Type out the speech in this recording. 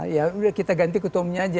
ya udah kita ganti ketua umumnya aja